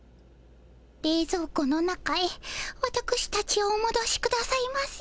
れいぞう庫の中へわたくしたちをおもどしくださいませ。